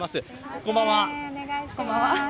こんばんは。